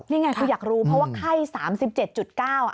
นี่ไงคืออยากรู้เพราะว่าไข้๓๗๙อ่ะ